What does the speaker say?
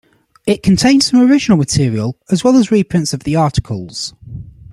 It contained some original material, as well as reprints of the articles.